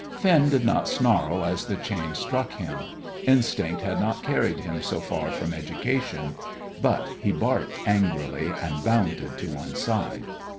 Finn did not snarl as the chain struck him. Instinct had not carried him so far from education. But he barked angrily, and bounded to one side.